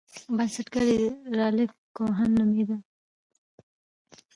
بنسټګر یې رالف کوهن نومیده.